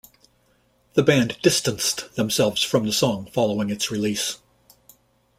The band distanced themselves from the song following its release.